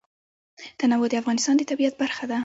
تنوع د افغانستان د طبیعت برخه ده.